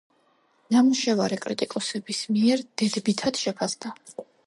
ნამუშევარი კრიტიკოსების მიერ დედბითად შეფასდა.